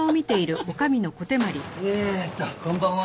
こんばんは。